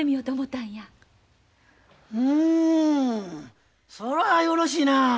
うんそらよろしいな。